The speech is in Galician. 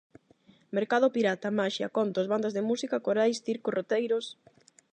Mercado pirata, maxia, contos, bandas de música, corais, circo, roteiros...